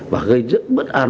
và gây rất bất an